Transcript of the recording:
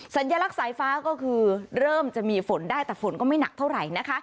สัญลักษณ์สายฟ้าก็คือเริ่มจะมีฝนได้แต่ฝนก็ไม่หนักเท่าไหร่นะคะ